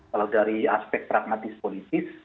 kalau dari aspek pragmatis politis